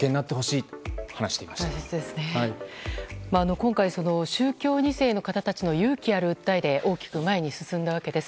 今回、宗教２世の方たちの勇気ある訴えで大きく前に進んだわけです。